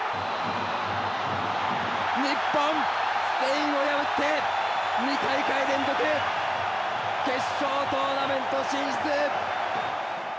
日本、スペインを破って２大会連続決勝トーナメント進出。